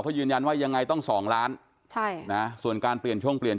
เพราะยืนยันว่ายังไงต้องสองล้านใช่นะส่วนการเปลี่ยนช่องเปลี่ยน